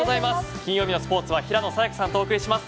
金曜日のスポーツは平野早矢香さんとお伝えします